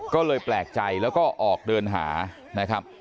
ก็เลยแปลกใจแล้วก็ออกเดินหานะครับ